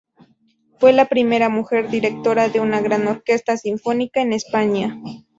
Fue la primera mujer directora de una gran orquesta sinfónica en España.